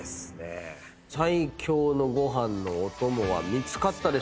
最強のご飯のおともは見つかったでしょうか？